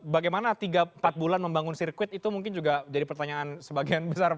bagaimana tiga empat bulan membangun sirkuit itu mungkin juga jadi pertanyaan sebagian besar